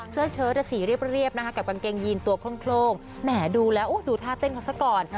เชิดสีเรียบนะคะกับกางเกงยีนตัวโคร่งแหมดูแล้วดูท่าเต้นเขาซะก่อน